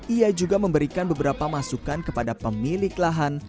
ia juga memberikan beberapa masukan kepada pemilik lahan